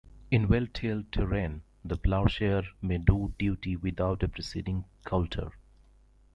In well-tilled terrain the plowshare may do duty without a preceding coulter.